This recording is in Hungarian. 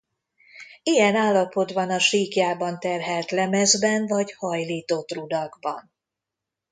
Ilyen állapot van a síkjában terhelt lemezben vagy hajlított rudakban.